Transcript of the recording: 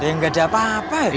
nggak ada apa apa ya